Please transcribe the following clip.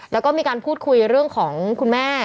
แล้วก็มีการพูดคุยเรื่องของคุณแม่